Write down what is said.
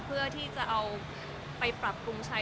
เพื่อที่จะเอาไปปรับปรุงใช้